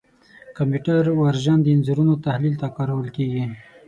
کمپیوټر وژن د انځورونو تحلیل ته کارول کېږي.